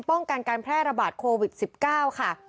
ป้องกันการแพร่ระบาดโควิด๑๙ค่ะ